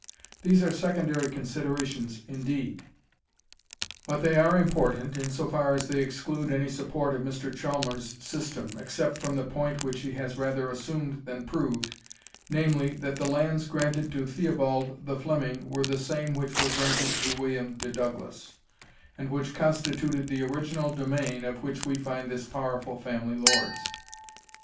These are secondary considerations indeed; but they are important, in so far as they exclude any support of Mr. Chalmers' system, except from the point which he has rather assumed than proved, namely, that the lands granted to Theobald the Fleming were the same which were granted to William de Douglas, and which constituted the original domain of which we find this powerful family lords.